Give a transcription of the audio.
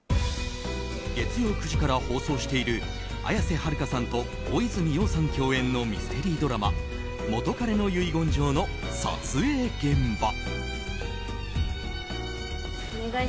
月曜９時から放送している綾瀬はるかさんと大泉洋さん共演のミステリードラマ「元彼の遺言状」の撮影現場。